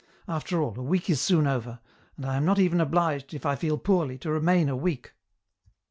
" After all, a week is soon over, and I am not even obliged, if I feel poorly, to remain a week.